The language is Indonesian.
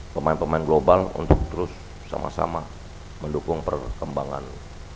pemain pemain global untuk terus sama sama mendukung perkembangan